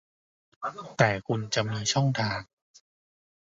แต่คุณจะมีช่องทาง